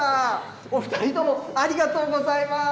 お２人ともありがとうございます。